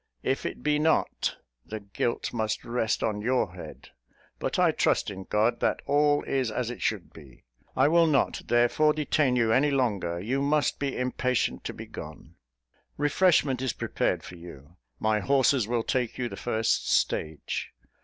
If it be not, the guilt must rest on your head; but I trust in God that all is as it should be. I will not, therefore, detain you any longer: you must be impatient to be gone. Refreshment is prepared for you: my horses will take you the first stage.